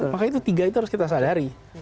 maka itu tiga itu harus kita sadari